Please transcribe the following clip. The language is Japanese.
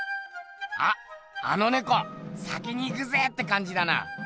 あっあの猫「先に行くぜ！」ってかんじだな。